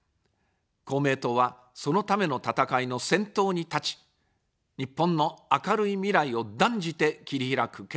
公明党は、そのための闘いの先頭に立ち、日本の明るい未来を断じて切り開く決意です。